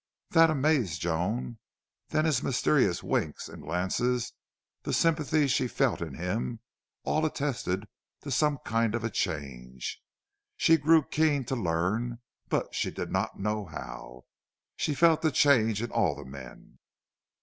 That amazed Joan. Then his mysterious winks and glances, the sympathy she felt in him, all attested to some kind of a change. She grew keen to learn, but she did not know how. She felt the change in all the men.